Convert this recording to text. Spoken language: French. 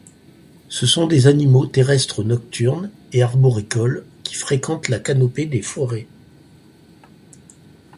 Ce sont des animaux terrestres nocturnes et arboricoles qui fréquentent la canopée des forêts.